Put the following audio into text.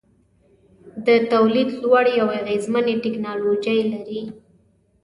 د تولید لوړې او اغیزمنې ټیکنالوجۍ لري.